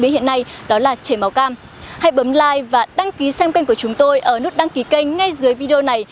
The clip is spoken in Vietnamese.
hãy bấm like và đăng ký kênh của chúng tôi ở nút đăng ký kênh ngay dưới video này